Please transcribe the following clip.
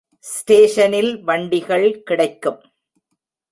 ஸ்டேஷனில் வண்டிகள் கிடைக்கும்.